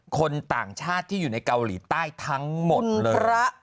คนต่างชาติที่อยู่ในเกาหลีใต้ทั้งหมดเลย